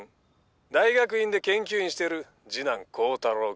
大学院で研究員してる次男光太郎君。